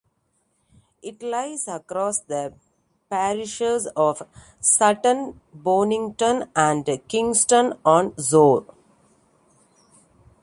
It lies across the parishes of Sutton Bonington and Kingston on Soar.